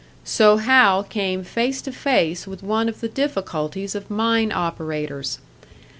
So Hal came face to face with one of the difficulties of mine operators.